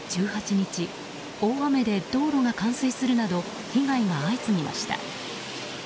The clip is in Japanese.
日大雨で道路が冠水するなど被害が相次ぎました。